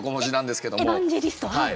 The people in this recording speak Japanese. はい。